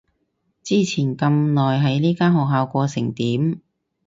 之前咁耐喺呢間學校過成點？